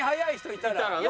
いたらね。